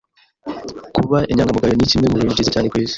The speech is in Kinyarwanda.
Kuba inyangamugayo nikimwe mubintu byiza cyane kwisi.